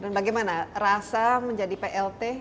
dan bagaimana rasa menjadi plt